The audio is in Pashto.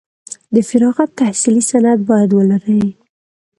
د فراغت تحصیلي سند باید ولري.